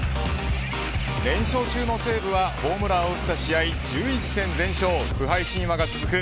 連勝中の西武はホームランを打った試合１１戦全勝不敗神話が続く